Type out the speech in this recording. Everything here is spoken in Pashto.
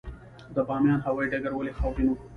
د بامیان هوايي ډګر ولې خاورین و؟